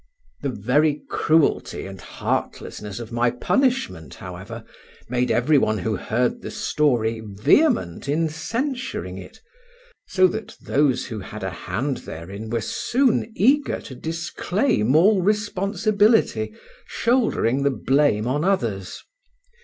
The very cruelty and heartlessness of my punishment, however, made every one who heard the story vehement in censuring it, so that those who had a hand therein were soon eager to disclaim all responsibility, shouldering the blame on others.